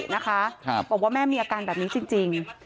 บอกว่าแม่มีอาการแบบนี้จริง